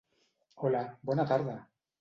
Hola, bona tarda!